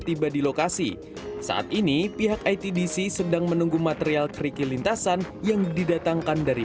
tiba di lokasi saat ini pihak itdc sedang menunggu material keriki lintasan yang didatangkan dari